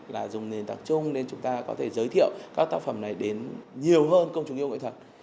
là dùng nền tảng chung nên chúng ta có thể giới thiệu các tác phẩm này đến nhiều hơn công chúng yêu nghệ thuật